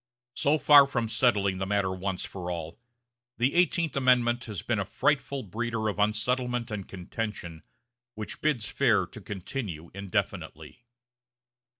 So far from settling the matter once for all, the Eighteenth Amendment has been a frightful breeder of unsettlement and contention, which bids fair to continue indefinitely.